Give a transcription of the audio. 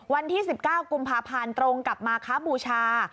วันที่๑๙กุมภาพันธ์ตรงกับมาคบูชา